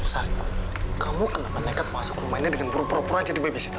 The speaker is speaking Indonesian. sari kamu kenapa nekat masuk rumah ini dengan buru buru aja di babysitter